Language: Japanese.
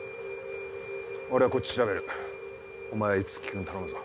俺はこっち調べるお前は樹君頼むぞ。